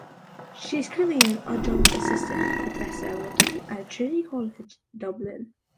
She is currently an adjunct assistant professor working at Trinity College Dublin.